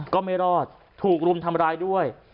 ก็ไม่รอดถูกรุมทำร้ายด้วย